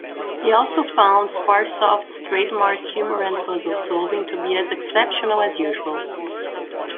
He also found Squaresoft's trademark humor and puzzle-solving to be as exceptional as usual.